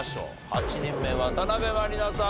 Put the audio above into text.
８人目渡辺満里奈さん